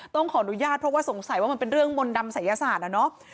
ต้องขออนุญาตเพราะว่าสงสัยว่ามันเป็นเรื่องมนต์ดำศัยศาสตร์อะเนาะ